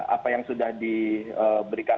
apa yang sudah diberikan